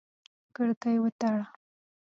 کړکۍ وتړه!